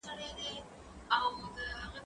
که وخت وي، لیکل کوم،